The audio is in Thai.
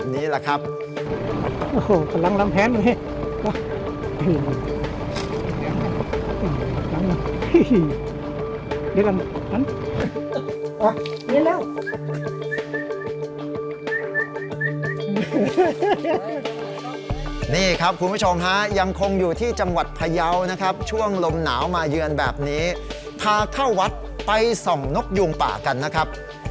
นี่แหละครับคุณผู้ชมฮะยังคงอยู่ที่จังหวัดพยาวนะครับช่วงลมหนาวมาเยือนแบบนี้พาเข้าวัดไปส่องนกยูงป่ากันนะครับ